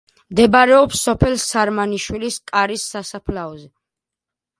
მდებარეობს სოფელ სარმანიშვილისკარის სასაფლაოზე.